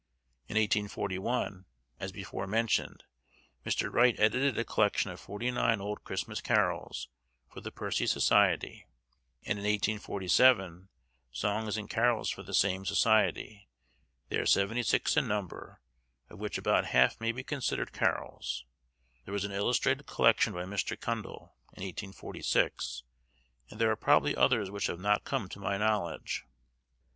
In 1841, as before mentioned, Mr. Wright edited a collection of forty nine old Christmas carols, for the Percy Society; and in 1847, songs and carols for the same Society; they are seventy six in number, of which about half may be considered carols; there was an illustrated collection by Mr. Cundell, in 1846, and there are probably others which have not come to my knowledge.